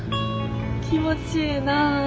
気持ちええなあ。